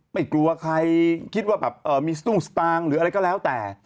ไม่กลัวใครคิดว่าแบบมีกระเบิดหรืออะไรก็แล้วแต่